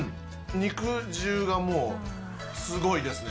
肉汁がもう、すごいですね。